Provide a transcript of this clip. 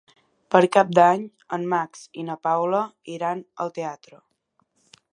Per Cap d'Any en Max i na Paula iran al teatre.